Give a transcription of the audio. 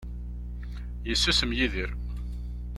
Yessusem Yidir.